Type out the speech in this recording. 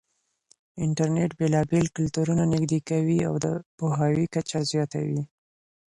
انټرنېټ بېلابېل کلتورونه نږدې کوي او د پوهاوي کچه زياتوي.